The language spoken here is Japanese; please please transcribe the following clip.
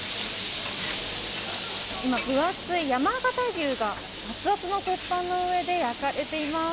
今、分厚い山形牛がアツアツの鉄板の上で焼かれています。